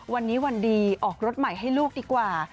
วันนี้วันดีออกรถใหม่ให้ลูกดีกว่า